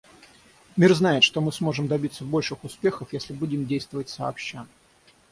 Мир знает, что мы сможем добиться больших успехов, если будем действовать сообща.